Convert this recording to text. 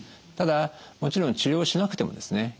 ただもちろん治療しなくてもですね